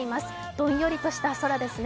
どんよりとした空ですね。